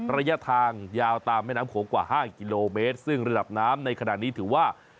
ระยะทางยาวตามแม่น้ำโขงกว่า๕กิโลเมตรซึ่งระดับน้ำในขณะนี้ถือว่า